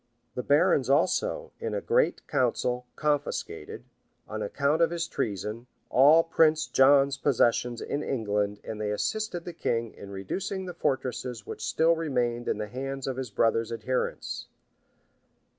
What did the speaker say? The barons also, in a great council, confiscated, on account of his treason, all Prince John's possessions in England and they assisted the king in reducing the fortresses which still remained in the hands of his brother's adherents.